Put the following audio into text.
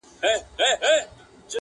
د لاس په گوتو کي لا هم فرق سته.